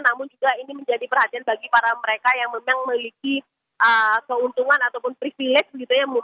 namun juga ini menjadi perhatian bagi para mereka yang memang memiliki keuntungan ataupun privilege gitu ya